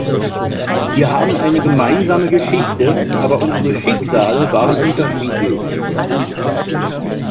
Wir haben eine gemeinsame Geschichte, aber unsere Schicksale waren unterschiedlich.